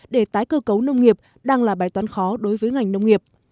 để tái cơ cấu nông nghiệp đang là bài toán khó đối với ngành nông nghiệp